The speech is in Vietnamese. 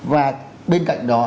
và bên cạnh đó